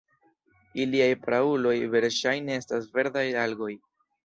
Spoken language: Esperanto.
Iliaj prauloj verŝajne estas verdaj algoj.